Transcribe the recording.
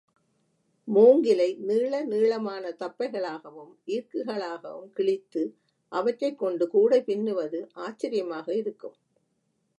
மூங்கிலை நீள நீளமான தப்பைகளாகவும் ஈர்க்குகளாகவும் கிழித்து அவற்றைக்கொண்டு கூடை பின்னுவது ஆச்சரியமாக இருக்கும்.